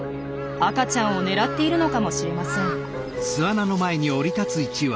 赤ちゃんを狙っているのかもしれません。